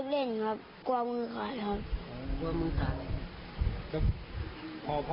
เพราะเอาน้มไปขายครับ